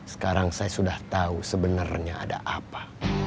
sekarang saya sudah tahu sebenarnya ada apa